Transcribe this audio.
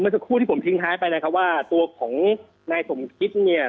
สักครู่ที่ผมทิ้งท้ายไปนะครับว่าตัวของนายสมคิดเนี่ย